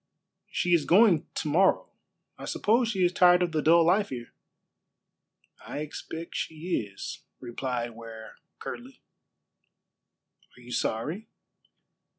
"She is going to morrow. I suppose she is tired of the dull life here." "I expect she is," replied Ware curtly. "Are you sorry?"